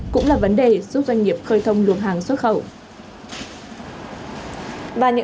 cũng là vấn đề giúp doanh nghiệp khơi thông luồng hàng xuất khẩu